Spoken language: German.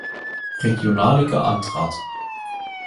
Regionalliga antrat.